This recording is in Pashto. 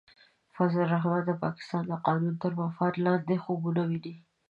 فضل الرحمن د پاکستان د قانون تر مفاد لاندې خوبونه ویني.